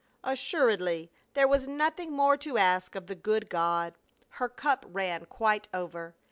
Assuredly, there was nothing more to ask of the good God. Her cup ran quite over.